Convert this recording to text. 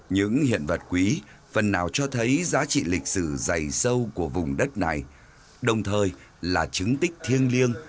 những hiện vật quý phần nào cho thấy giá trị lịch sử dày sâu của vùng đất này đồng thời là chứng tích thiêng liêng